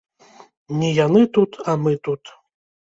Не яны тут, а мы тут!